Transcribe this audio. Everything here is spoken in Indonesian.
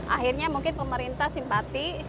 akhirnya mungkin pemerintah simpati